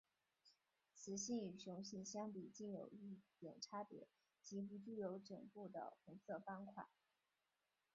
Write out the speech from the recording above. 雌性与雄性相比近有一点差别即不具有枕部的红色斑块。